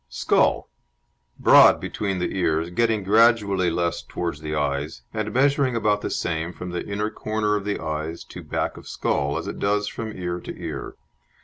SKULL Broad between the ears, getting gradually less towards the eyes, and measuring about the same from the inner corner of the eyes to back of skull as it does from ear to ear.